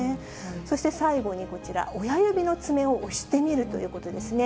そして最後にこちら、親指の爪を押してみるということですね。